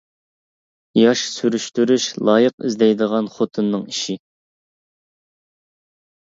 ياش سۈرۈشتۈرۈش لايىق ئىزدەيدىغان خوتۇننىڭ ئىشى.